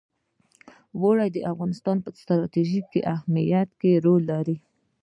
اوړي د افغانستان په ستراتیژیک اهمیت کې رول لري.